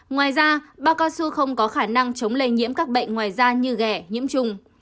ngoài ra ba cao su không có khả năng chống lây nhiễm các bệnh ngoài da như ghẻ nhiễm trùng